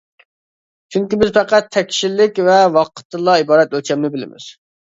چۈنكى بىز پەقەت تەكشىلىك ۋە ۋاقىتتىنلا ئىبارەت ئۆلچەمنى بىلىمىز.